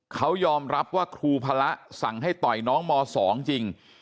เขายอมรับว่าครูพระสั่งให้ต่อยน้องม๒จริง